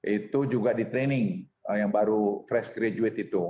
itu juga di training yang baru fresh graduate itu